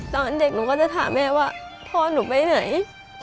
ตอนเด็กหนูก็จะถามแม่ว่าพ่อหนูไปไหน